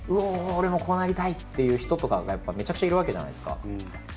俺もこうなりたい！っていう人とかがやっぱりめちゃくちゃいるわけじゃないですか。